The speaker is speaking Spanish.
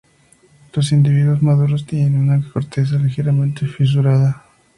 Los individuos maduros tienen una corteza ligeramente fisurada.